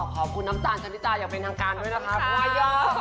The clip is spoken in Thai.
ขอบคุณน้ำตาลจริตาอย่างเป็นทางการด้วยนะครับ